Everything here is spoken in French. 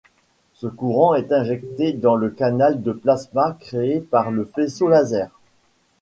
Ce courant est injecté dans le canal de plasma créé par le faisceau laser.